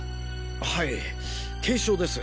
はい軽傷です。